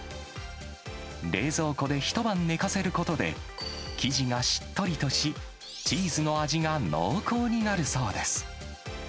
冷蔵庫で一晩寝かせることで、生地がしっとりとし、チーズの味が濃厚になるそうです。